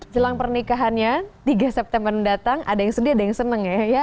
jelang pernikahannya tiga september mendatang ada yang sedih ada yang seneng ya